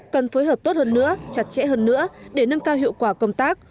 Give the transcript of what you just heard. cần phối hợp tốt hơn nữa chặt chẽ hơn nữa để nâng cao hiệu quả công tác